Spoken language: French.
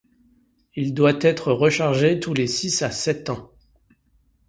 Il doit être rechargé tous les six à sept ans.